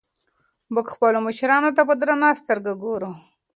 موږ خپلو مشرانو ته په درنه سترګه ګورو.